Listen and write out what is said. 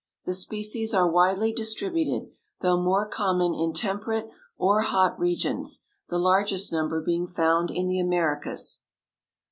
The species are widely distributed, though more common in temperate or hot regions, the largest number being found in the Americas.